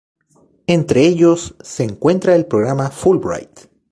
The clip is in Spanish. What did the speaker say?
Entre ellos, se encuentra el programa Fulbright.